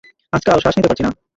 আজকাল শ্বাস নিতে পারছি না।